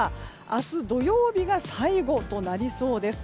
明日土曜日が最後となりそうです。